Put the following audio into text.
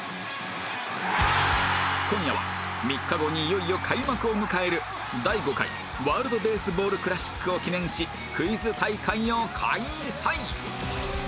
今夜は３日後にいよいよ開幕を迎える第５回ワールドベースボールクラシックを記念しクイズ大会を開催